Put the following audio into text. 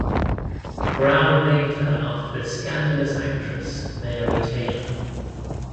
Brown named her after the scandalous actress Mary Taylor.